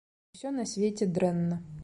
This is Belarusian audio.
Усё на свеце дрэнна.